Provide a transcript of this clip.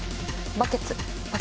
バケツ。